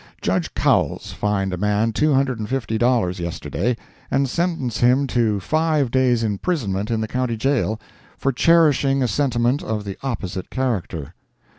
Judge Cowles fined a man two hundred and fifty dollars, yesterday, and sentenced him to five days imprisonment in the County Jail, for cherishing a sentiment of the opposite character.